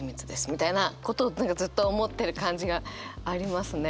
みたいなことずっと思ってる感じがありますね。